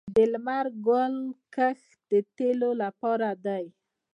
د لمر ګل کښت د تیلو لپاره دی